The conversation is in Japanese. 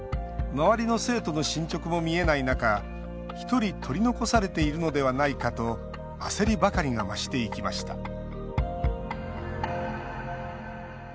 周りの生徒の進捗も見えない中１人取り残されているのではないかと焦りばかりが増していきました